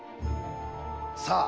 さあ